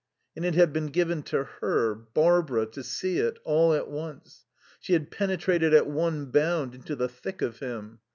And it had been given to her, Barbara, to see it, all at once. She had penetrated at one bound into the thick of him.